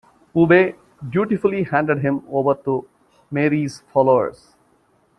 Wube dutifully handed him over to Marye's followers.